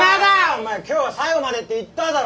お前今日は最後までって言っただろ。